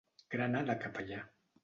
Grana de capellà.